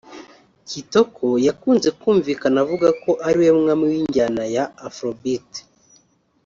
Kitoko yakunze kumvikana avuga ko ariwe mwami w’injyana ya Afrobeat